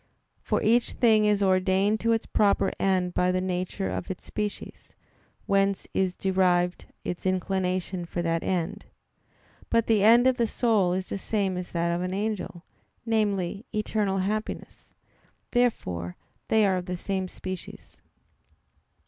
For each thing is ordained to its proper end by the nature of its species, whence is derived its inclination for that end. But the end of the soul is the same as that of an angel namely, eternal happiness. Therefore they are of the same species.